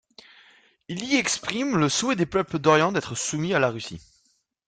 Il y exprime le souhait des peuples d'orient d'être soumis à la Russie.